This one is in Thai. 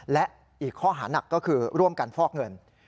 และอีกข้อหานักก็คือร่วมกันฟอกเงิน